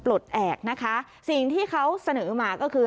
ปลดแอบนะคะสิ่งที่เขาเสนอมาก็คือ